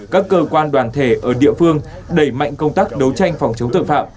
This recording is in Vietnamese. các cơ quan đoàn thể ở địa phương đẩy mạnh công tác đấu tranh phòng chống tội phạm